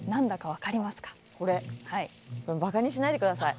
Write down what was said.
バカにしないでください。